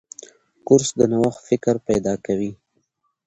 کورس د نوښت فکر پیدا کوي.